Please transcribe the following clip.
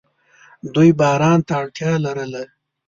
دوی باران ته اړتیا لرله.